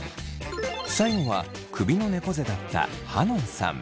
最後は首のねこ背だったはのんさん。